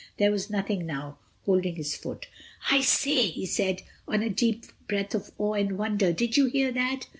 There was nothing now holding his foot. "I say," he said, on a deep breath of awe and wonder, "did you hear that?"